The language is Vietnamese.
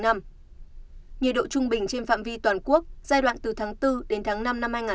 nhiệt độ trung bình trên phạm vi toàn quốc giai đoạn từ tháng bốn năm hai nghìn hai mươi bốn